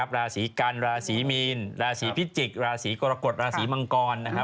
ลาสีกันลาสีมีนลาสีพิจกิลาสีกรกฎลาสีมังกร